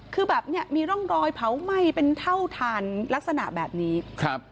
คือแบบเนี้ยมีร่องรอยเผาไหม้เป็นเท่าทานลักษณะแบบนี้ครับ